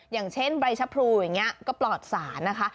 อย่างเช่นใบชะพรูอย่างนี้ก็ปลอดสารนะคะ